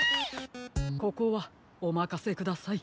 ここはおまかせください。